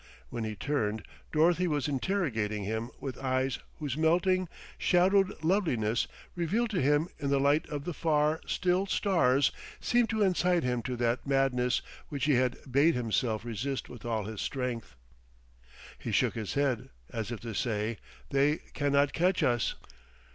When he turned, Dorothy was interrogating him with eyes whose melting, shadowed loveliness, revealed to him in the light of the far, still stars, seemed to incite him to that madness which he had bade himself resist with all his strength. He shook his head, as if to say: They can not catch us.